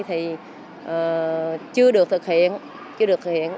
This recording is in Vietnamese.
thì chưa được thực hiện